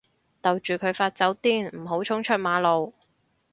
逗住佢發酒癲唔好衝出馬路